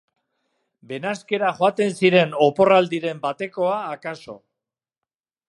Benasquera joaten ziren oporraldiren batekoa akaso.